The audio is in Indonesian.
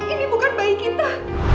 ini bukan bayi kita